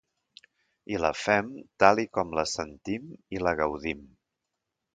I la fem tal i com la sentim i la gaudim.